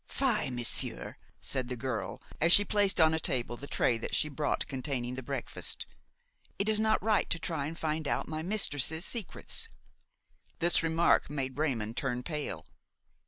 "Fi! monsieur," said the girl, as she placed on a table the tray that she brought containing the breakfast; "it is not right to try and find out my mistress's secrets." This remark made Raymon turn pale.